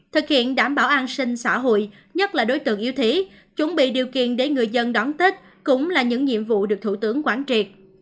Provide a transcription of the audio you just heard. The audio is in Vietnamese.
thực hiện đảm bảo an sinh xã hội nhất là đối tượng yếu thế chuẩn bị điều kiện để người dân đón tết cũng là những nhiệm vụ được thủ tướng quán triệt